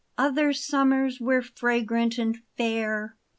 Other summers were fragrant and fair.